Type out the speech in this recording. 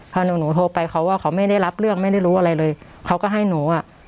พอหนูหนูโทรไปเขาว่าเขาไม่ได้รับเรื่องไม่ได้รู้อะไรเลยเขาก็ให้หนูอ่ะ